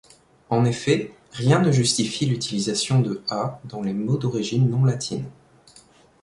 En effet, rien ne justifie l’utilisation de â dans les mots d’origine non latine.